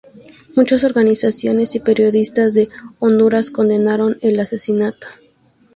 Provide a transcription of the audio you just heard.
Muchas organizaciones y periodistas de Honduras condenaron el asesinato.